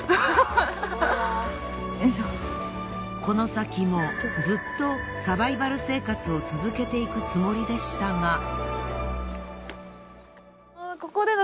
この先もずっとサバイバル生活を続けていくつもりでしたが。